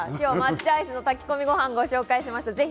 抹茶アイス炊き込みご飯をご紹介しました。